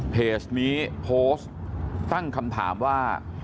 เพจนี้โพสต์ตั้งคำถามว่า